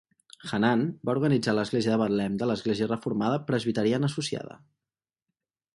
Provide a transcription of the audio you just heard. Hannan va organitzar l'Església de Betlem de l'Església reformada presbiteriana associada.